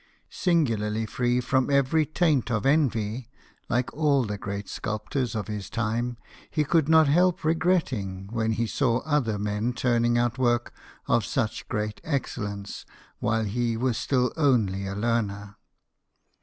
Singularly free from every taint of envy (like all the great sculptors of his time), he could not help regretting when he saw other men turning out work of such great excellence while he was still only a learner.